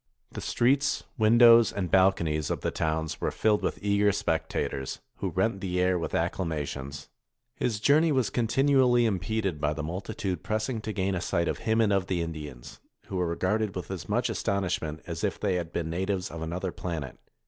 The streets, windows, and balconies of the towns were filled with eager spectators, who rent the air with acclamations. His journey was continually impeded by the multitude pressing to gain a sight of him and of the Indians, who were regarded with as much astonishment as if they had been natives of another planet.